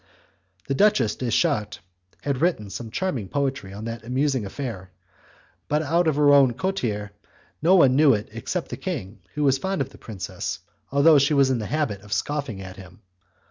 The Duchess de Chartres had written some charming poetry on that amusing affair; but out of her own coterie no one knew it except the king, who was fond of the princess, although she was in the habit of scoffing at him.